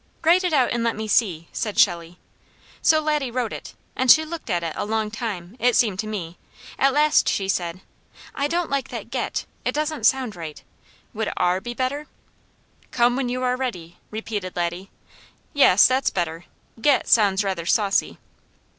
"Write it out and let me see," said Shelley. So Laddie wrote it, and she looked at it a long time, it seemed to me, at last she said: "I don't like that 'get.' It doesn't sound right. Wouldn't 'are' be better?" "Come when you are ready," repeated Laddie. "Yes, that's better. 'Get' sounds rather saucy."